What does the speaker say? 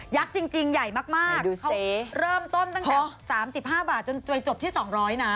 ยักษ์จริงใหญ่มากเหมาะค่ะเขาเริ่มต้นตั้งแต่๓๕บาทจนไปจบที่๒๐๐นะ